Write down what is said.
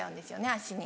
足に。